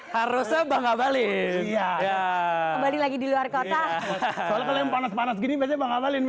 harusnya bang abalin ya lagi di luar kota panas panas gini masih bang abalin